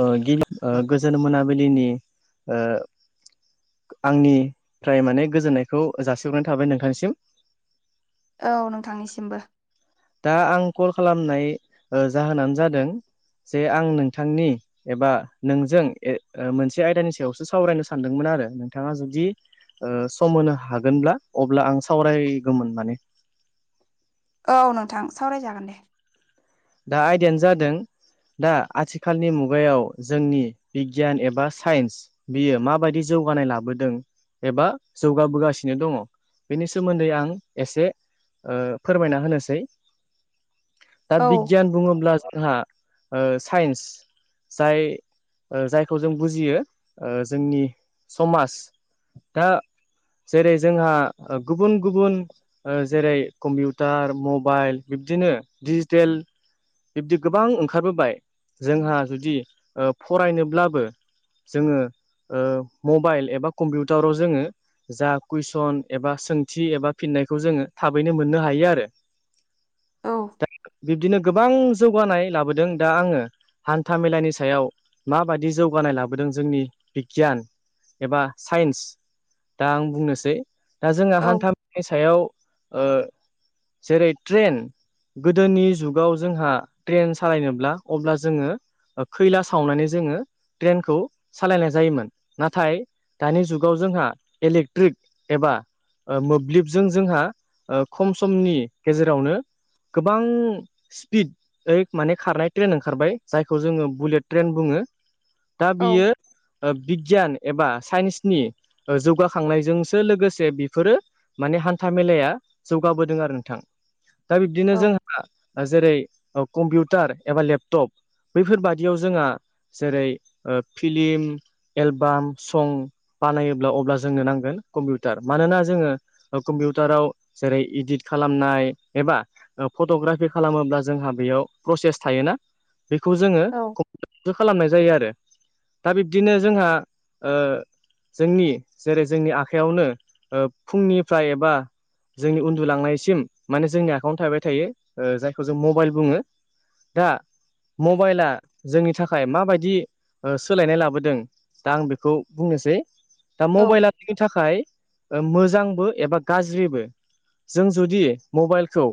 ओ गिबि ओ गोजोन मोनाबिलिनि आंनि फ्राय माने गोजोननायखौ जासिहरनाय थाबाय नोंथांनिसिम औ नोंथांनिसिमबो दा आं कल खालामनाय जाहोनानो जादों जे आं नोंथांनि एबा नोंजों मोनसे आयदानि सायावसो सावरायनो सानदोंमोन आरो नोंथाङा जुदि सम होनो हागोनब्ला अब्ला आं सावरायगौमोन माने औ नोंथां सावरायजागोन दे दा आयदायानो जादों दा आथिखालनि मुगायाव जोंनि बिगियान एबा साइन्स बियो माबायदि जौगानाय लाबोदों एबा जौगाबोगासिनो दङ बेनि सोमोन्दै आं एसे फोरमायना होनोसै दा औ बिगियान बुङोब्ला जोंहा साइन्स जाय जायखौ जों बुजियो जोंनि समाज दा जेरै जोंहा गुबुन गुबुन जेरै कम्पिउटार मबाइल बिब्दिनो दिडिजिटेल बिब्दि गोबां ओंखारबोबाय जोंहा जुदि फरायनोब्लाबो जोङो मबाइल एबा कम्पिउटाराव जोङो जा कुइसन एबा सोंथि एबा फिननायखौ जोङो थाबैनो मोननो हायो आरो औ दा बिब्दिनो गोबां जौगानाय लाबोदों दा आङो हान्था मेलानि सायाव माबायदि जौगानाय लाबोदों जोंनि बिगियान एबा साइन्स दा आं बुंनोसै दा जोंहा औ हान्था मेला नि सायाव जेरै ट्रेन गोदोनि जुगाव जोंहा ट्रेन सालायनोब्ला अब्ला जोङो खैला सावनानै जोङो ट्रेनखौ सालायनाय जायोमोन नाथाय दानि जुगाव जोंहा इलेक्ट्रिक एबा मोब्लिबजों जोंहा खम समनि गेजेरावनो गोबां स्पिड ओइ माने खारनाय ट्रेन ओंखारबाय जायखौ जोङो बुलेट ट्रेन बुङो दा औ बियो बिगियान एबा साइन्सनि जौगाखांनायजोंसो लोगोसे बेफोरो माने हान्था मेलाया जौगाबोदों आरो नोंथां दा बिब्दिनो औ जोंहा जेरै कम्पिउटार एबा लेपटप बैफोरबादियाव जोंहा जेरै फिलिम एलबाम सं बानायोब्ला अब्ला जोंनो नांगोन कम्पिउटार मानोना जोङो कम्पिउटाराव जेरै इदिट खालामनाय एबा फट'ग्राफि खालामोब्ला जोंहा बेयाव प्रसेस थायोना बेखौ जोङो औ खालामनाय जायो आरो दा बिब्दिनो जोंहा ओ जोंनि जेरै जोंनि आखाइयावनो फुंनिफ्राय एबा जोंनि उन्दुलांनायसिम माने जोंनि आखायाव थाबाय थायो जायखौ जों मबाइल बुङो दा मबाइला जोंनि थाखाय माबायदि सोलायनाय लाबोदों दा आं बेखौ बुंनोसै दा मबाइला औ नि थाखाय मोजांबो एबा गाज्रिबो जों जुदि मबाइलखौ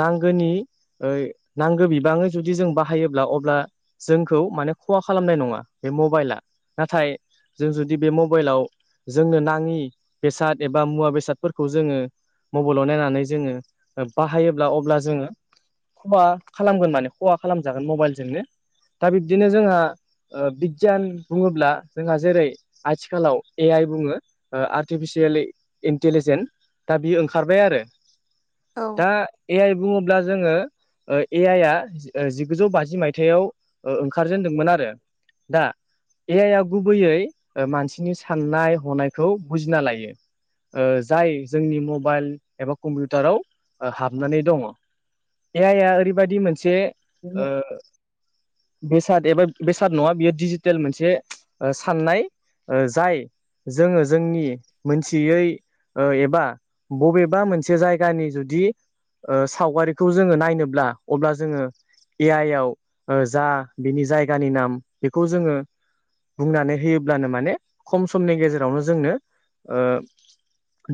नांगौ नांगौनि नांगौ बिबाङै जुदि जों बाहायोब्ला अब्ला जोंखौ माने खहा खालामनाय नङा बे मबाइला नाथाय जों जुदि बे मबाइलाव जोंनो नाङि बेसाद एबा मुवा बेसादफोरखौ जोङो मबाइलाव नायनानै जोङो बाहायोब्ला अब्ला जोङो खहा खालामगोन माने खहा खालामजागोन मबाइलजोंनो दा बिब्दिनो जोंहा बिगियान बुङोब्ला जोंहा जेरै आथिखालाव ए आइ बुङो आर्टिफिसियेल इन्टिलिजेन्स दा बियो ओंखारबाय आरो औ खा ए आइ बुङोब्ला जोङो ओ ए आइ आ जिगुजौ बाजि मायथायाव ओंखारजेनदोंमोन आरो दा ए आइ आ गुबैयै ओ मानसिनि साननाय हनायखौ बुजिना लायो ओ जाय जोंनि मबाइल एबा कम्पिउटाराव ओ हाबनानै दङ ए आइ आ ओरैबायदि मोनसे ओ बेसाद एबा बेसाद नङा बेयो डिजिटेल मोनसे ओ साननाय ओ जाय जोङो जोंनि मोनथियै ओ एबा बबेबा मोनसे जायगानि जुदि ओ सावगारिखौ जोङो नायनोब्ला अब्ला जोङो ए आइ आव ओ जा बिनि जायगानि नाम बेखौ जोङो बुंनानै होयोब्लानो माने खम समनि गेजेरावनो जोंनो ओ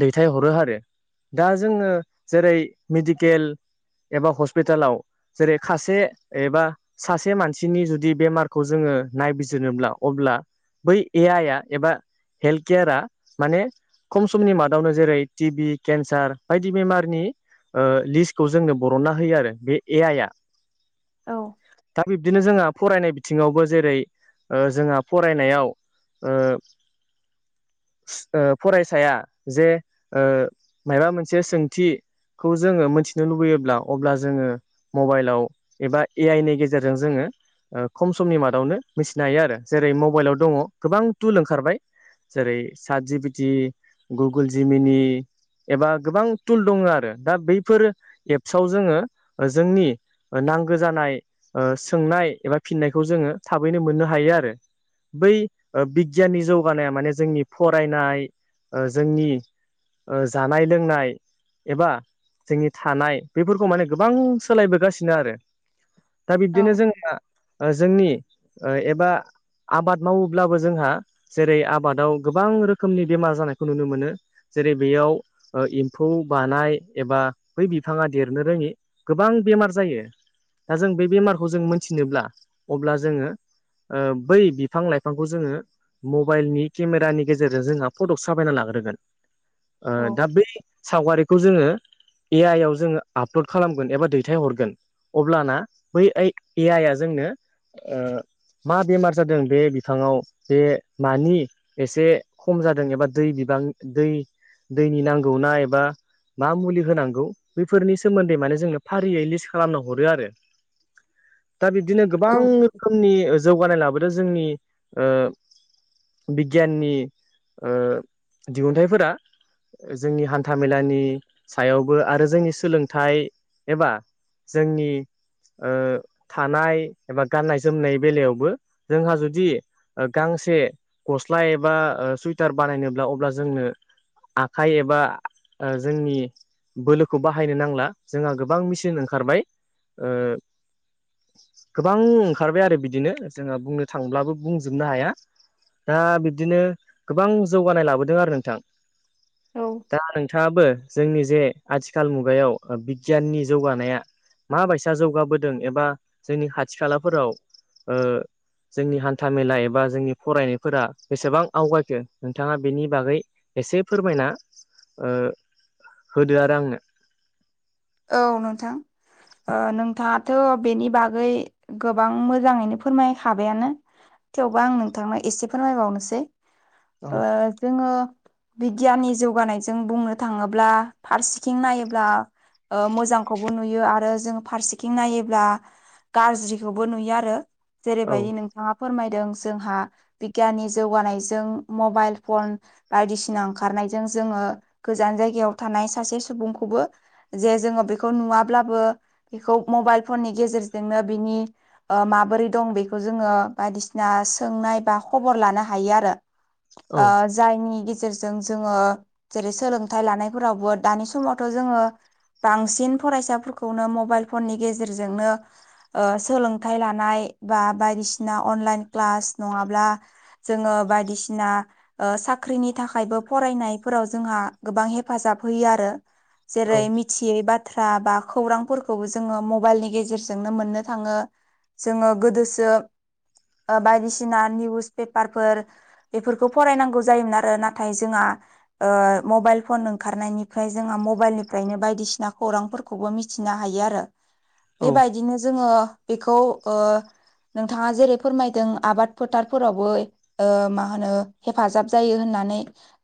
दैथायहरो आरो दा जोङो जेरै मेडिकेल एबा हस्पिटालाव जेरै खासे एबा सासे मानसिनि जुदि बेमारखौ जोङो नायबिजिरनोब्ला अब्ला बै ए आइ आ एबा हेल्थ केयारा माने खम समनि मादावनो जेरै टिभि, केन्सार बायदि बेमारनि ओ लिस खौ जोंनो बर'नना होयो आरो बे ए आइ आ औ दा बिब्दिनो जोंहा फरायनाय थिङावबो जेरै ओ जोंहा फरायनायाव ओ सो ओ फरायसाया जे ओ माबा मोनसे सोंथि खौ जोङो मोनथि नो लुबैयोब्ला अब्ला जोङो मबाइलाव एबा ए आइ नि गेजेरजों जोङो ओ खम समनि मादावनो मिथिनो हायो आरो जेरै मबाइलाव दङ गोबां तुल ओंखारबाय जेरै साट जिबिटि गुगुल जि मिनि एबा गोबां टुल दङ आरो दा बैफोर एपसआव जोङो ओ जोंनि ओ नांगो जानाय ओ सोंनाय एबा फिननायखौ जोङो थाबैनो मोननो हायो आरो बै ओ बिगियाननि जौगानाया माने जोंनि फरायनाय ओ जोंनि ओ जानाय लोंनाय एबा जोंनि थानाय बेफोरखौ माने गोबां सोलायबोगासिनो आरो दा बिब्दिनो जोंनिआ ओ जोंनि ओ एबा आबाद मावोब्लाबो जोंहा जेरै आबादाव गोबां रोखोमनि बेमार जानायखौ नुनो मोनो। जेरै बेयाव ओ एम्फौ बानाय एबा बै बिफाङा देरनो रोङि गोबां बेमार जायो। दा जों बे बेमारखौ जों मोनथिनोब्ला अब्ला जोङो ओ बै बिफां लाइफांखौ जोङो मबाइलनि केमेरानि गेजेरजों जोंहा फटक साफायना लाग्रोगोन ओ दा बै सावगारिखौ जोङो ए आइ आव जोङो आपलड खालामगोन एबा दैथाय हरगोन अब्लाना बै एै ए आइआ जोंनो ओ मा बेमार जादों बे बिफाङाव बे मानि एसे खम जादों एबा दै बिबां दै दैनि नांगौना एबा मा मुलि होनां गौ बैफोरनि सोमोन्दै माने जोंनो फारियै लिस खालामनो हरो आरो दा बिब्दिनो गोबां औ रोखोमनि ओ जौगानाय लाबोदों जोंनि ओ बिगियाननि ओ दिहुनथाइफोरा ओ जोंनि हान्था मेलानि सायाव बो आरो जोंनि सोलोंथाइ एबा जोंनि ओ थानाय एबा गाननाय जोमनाय बेलायावबो जोंहा जुदि ओ गांसे गस्ला एबा सुइटार बानायनोब्ला अब्ला जोंनो आखाइ एबा ओ जोंनि बोलोखौ बाहायनो नांला जोंहा गोबां मेसिन ओंखारबाय। गोबां ओंखारबाय आरो बिदिनो जोंहा बुंनो थांब्लाबो बुंजोबनो हाया दा बिब्दिनो गोबां जौगानाय लाबोदों आरो नोंथां। औ दा नोंथांङाबो जोंनि जे आथिखाल मुगायाव बिगियाननि जौगानाया माबायसा जौगाबोदों एबा जोंनि खाथि खालाफोराव जोंनि हान्था मेला एबा जोंनि फरायनायफोरा बेसेबां आवगायखो नोंथांङा बेनि बागै एसे फोरमायना होदो आरो आंनो? औ नोंथां। नोंथाङाथ' बेनि बागै गोबां मोजाङैनो फोरमायखाबायानो। थेवबो आं नोंथांनो एसे फोरमायबावनोसै ओ जोंङो बिगियाननि जौगानायजों बुंनो थांङोब्ला फारसेथिं नायोब्ला ओ मोजांखौबो नुयो आरो जों फारसेथिं नायोंब्ला गाज्रिखौबो नुयो आरो औ जेरैबायदि नोंथांङा फोरमायदों जोंहा बिगियाननि जौगानायजों मबाइल फन बायदिसिना ओंखारनायजों जोंङो गोजान जायगायाव थानाय सासे सुबुंखौबो जे जोंङो बेखौ नुवाब्लाबो बेखौ मबाइल फननि गेजेरजोंनो बिनि ओ माबोरै दं बेखौ जोंङो बायदिसिना सोंनाय बा खबर लानो हायो आरो। औ आ जायनि गेजेरजों जोंङो जेरै सोलोंथाइ लानायफोरावबो दानि समावथ' जोंङो बांसिन फरायसाफोरखौनो मबाइल फननि गेजेरजोंनो सोलोंथाइ लानाय बा बायदिसिना अनलाइन क्लास नंङाब्ला जोंङो बायदिसिना साख्रिनि थाखायबो फरायनायफोराव जोंहा गोबां हेफाजाब होयो आरो। जे औ रोय खथियै बाथ्रा बा खौरांफोरखौबो जोंङो मबाइलनि गेजेरजोंनो मोननो थांङो। जोंङो गोदोसो बायदिसिना निउस पेपारफोर बेफोरखौ फरायनांगौ जायोमोन आरो। नाथाय जोंहा मबाइल फन ओंखारनायनिफ्राय जोंहा मबाइल निफ्रायनो बाय बायदिसिना खौरांफोरखौबो मिथिनो हायो आरो। औ बेबायदिनो जोंङो। बेखौ नोंथांङा जेरै फोरमायदों आबाद फोथारफोरावबो मा होनो हेफाजाब जायो होननानै।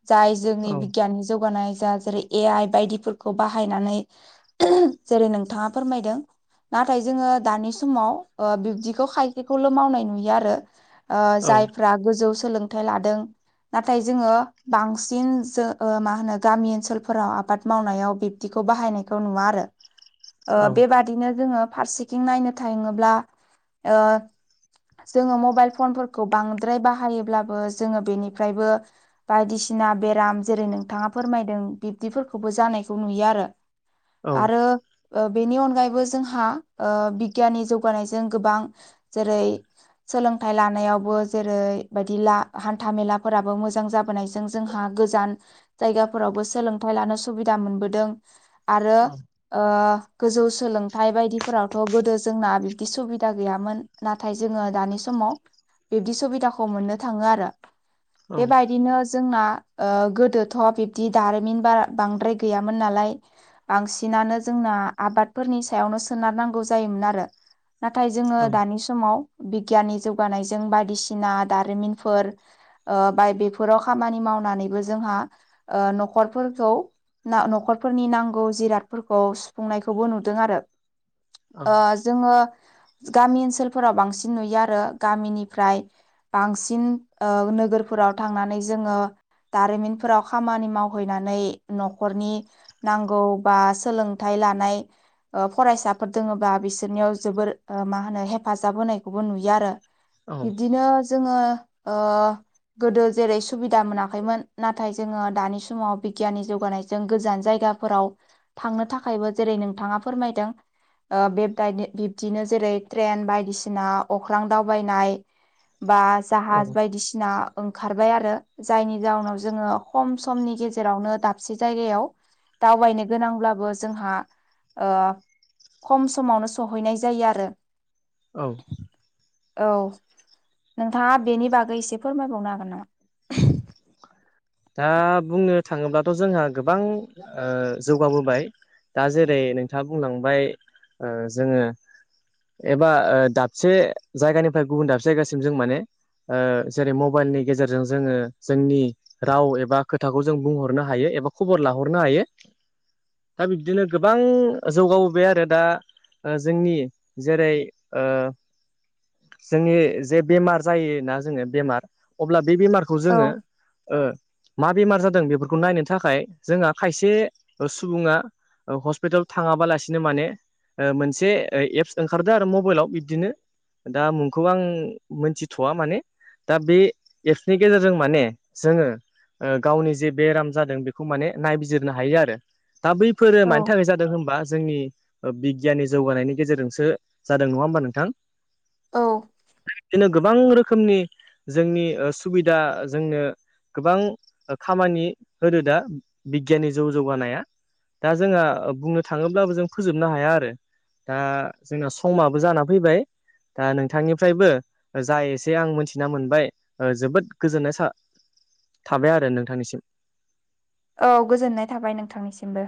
जाय औ जोंनि बिगियाननि जौगानाय जा जेरै ए आइ बायदिफोरखौ बाहाय नानै जेरै नोंथांङा फोरमायदों? नाथाय जोंङो दानि समाव बिब्दिखौ खायखखौल' मावनाय नुयो आरो। जायफ्रा गोजौ सोलोंथाइ लादों नाथाय जोंङो बांसिन जो मा होनो गामि ओनसोलफोराव आबाद मावनायाव खौ बाहायनायखौ नुवा आरो बेबाद बिदिनो जोंङो फारसेथिं नायनो थांङोब्ला जोंङो मबाइल फनफोरखौ बांद्राय बाहायोब्लाबो जोंङो बेनिफ्रायबो बायदिसिना बेराम जेरै नोंथांङा फोरमायदों बिब्दिफोरखौबो जानायखौ नुयो औ आरो बेनि अनगायैबो जोंहा बिगियाननि जौगानायजों गोबां जेरै सोलोंथाइ लानायावबो जेरै बायदि ला हान्था मेलाफोराबो मोजां जाब ाय जों जावोंथ ल सुबा आरो गोजौ सोलोंथाइ बायदिफोरावथ' गोदो जोंना बिब्दि सुबिदा गैयामोन। नाथाय जोंङो दानि समाव बिब्दि सुबिदाखौ मोननो थांङो आरो। बेबायदिनो जोंना गोदोथ' बिब्दि दारिमिन ब बांद्राय गैयामोन। मोन नालाय बांसिनानो जोंना आबादफोरनि सायावनो सोनारनांगौ जायोमोन आरो। नाथाय जोङो दानि समाव बिगियाननि जौगानायजों बायदिसिना दारिमिनफोर ओ बाय बेफोराव खामानि मावनानैबो जोंहा ओ न'खरफोरखौ न'खरफोरनि नांगौ जिरादफोरखौ सुफुंनायखौबो नुदों आरो ओ जोङो गामि ओनसोलफोराव बांसिन नुयो आरो गामिनिफ्राय बांसिन ओ नोगोरफोराव थांनानै जोङो दारिमिनफोराव खामानि मावहैनानै न' न'खरनि नांगौ बा सोलोंथाइ लानाय ओ फरायसाफोर दोङोबा बिसोरनियाव जोबोर ओ मा होनो हेफाजाब होनायखौबो नुयो आरो। बिब्दिनो जोङो ओ गोदो जेरै सुबिदा मोनाखैमोन नाथाय जोङो दानि समाव बिगियाननि जौगानाय जों गोजान जायगाफोराव थांनो थाखायबो जेरै नोंथाङा फोरमायदों। ओ बेबदाइद बिब्दिनो जेरै ट्रेन बायदिसिना अख्रां दावबायनाय बा औ जाहाज बायदिसिना ना ओंखारबाय आरो जायनि जाउनाव जोङो खम समनि गेजेरावनो दाबसे जायगायाव दावबायनो गोनांब्लाबो जोंहा ओ खम समावनो सहैनाय जायो आरो। औ। औ नोंथाङा बेनि बागै एसे फोरमायबावनो हागोन नामा? दा बुंनो थाङोब्लाथ' जोंहा गोबां ओ जौगाबोबाय। दा जेरै नोंथाङा बुंलांबाय ओ जोङो एबा ओ दाबसे जायगानिफ्राय गुबुन दाबसे जायगासिम जों माने ओ जेरै मबाइलनि गेजेरजों जोङो जोंनि राव एबा खोथाखौ जों बुंहरनो हायो एबा खबर लाहरनो हायो। दा बिब्दिनो गोबां जौगाबोबाय आरो दा ओ जोंनि जेरै ओ जोंनि जे बेमार जायोना जोङो बेमार अब्ला बे बेमारखौ औ जोङो ओ मा बेमार जादों बेफोरखौ नायनो थाखाय जोंहा खायसे सुबुङा हस्पिटाल थाङाबालासिनो माने ओ मोनसे एप्स ओंखारदो आरो मबाइलाव बिब्दिनो दा मुंखौ आं मोनथिथ'वा माने दा बे एप्सनि गेजेरजों माने जोङो ओ गावनि जे बेराम जादों बेखौ माने नायबिजिरनो हायो आरो। दा बैफोरो औ मानि थाखाय जादों होनबा जोंनि ओ बिब गियाननि जौगानायनि गेजेरजोंसो जादों नङा होमबा नोंथां औ बिदिनो गोबां रोखोमनि जोंनि ओ सुबिदा जोंनो गोबां खामानि होदो दा बिगियाननि जौ जौगानाया दा जोंहा बुंनो थाङोब्लाबो जों फोजोबनो हाया आरो। दा जोंना समाबो जाना फैबाय। दा नोंथांनिफ्रायबो जा एसे आं मोनथिना मोनबाय जोबोद गोजोननाय सा थाबाय आरो नोंथांनिसिम। औ गोजोननाय थाबाय नोंथांनिसिमबो।